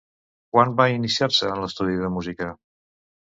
Quan va iniciar-se en l'estudi de música?